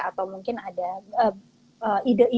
atau mungkin ada ide ide dari petani